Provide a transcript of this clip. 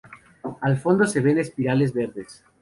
Al fondo se ven espirales verdes.